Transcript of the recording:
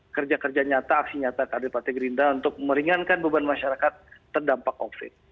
kerja kerja nyata aksi nyata kader partai gerindra untuk meringankan beban masyarakat terdampak covid